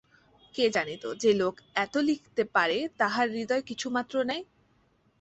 কে জানিত, যে লোক এত লিখিতে পারে তাহার হৃদয় কিছুমাত্র নাই।